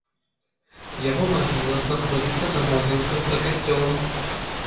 Яго магіла знаходзіцца на могілках за касцёлам.